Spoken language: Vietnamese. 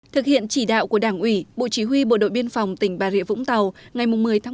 thực hiện chỉ đạo của đảng ủy bộ chỉ huy bộ đội biên phòng tỉnh bà rịa vũng tàu ngày một mươi một mươi một hai nghìn chín